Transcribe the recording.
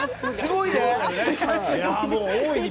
すごいで！